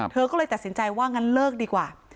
เธอก็เลยตัดสินใจว่างั้นเลิกดีกว่า